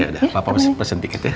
ya papa pesen tiket ya